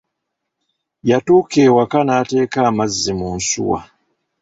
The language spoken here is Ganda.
Yatuuka e waka n'ateeka amazzi mu nsuwa.